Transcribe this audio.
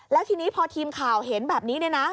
แล้วทีนี้พอทีมข่าวเห็นแบบนี้เนี่ยนะ